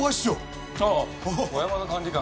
ああ小山田管理官。